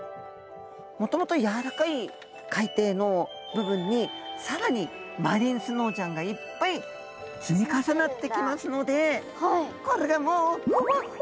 もともとやわらかい海底の部分に更にマリンスノーちゃんがいっぱい積み重なってきますのでこれがもうふわっふわなんですね。